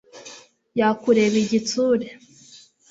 Yakureba igitsure